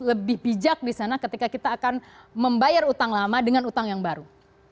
lebih bijak di sana ketika kita akan membayar utang lama dengan utang yang baru